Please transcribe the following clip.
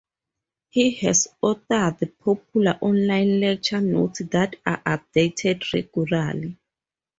He has authored popular online lecture notes that are updated regularly.